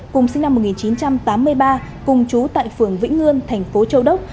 cùng sinh năm một nghìn chín trăm tám mươi ba cùng chú tại phường vĩnh ngươn thành phố châu đốc